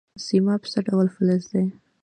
سیماب څه ډول فلز دی؟